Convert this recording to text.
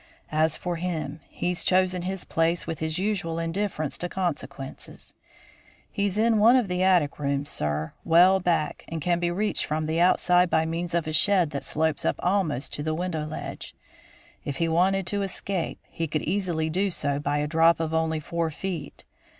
As for him, he's chosen his place with his usual indifference to consequences. He's in one of the attic rooms, sir, well back, and can be reached from the outside by means of a shed that slopes up almost to the window ledge. If he wanted to escape, he could easily do so by a drop of only four feet.